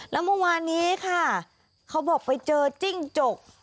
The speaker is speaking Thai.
แล้วเมื่อวานนี้ค่ะเขาบอกไปเจอจิ้งจก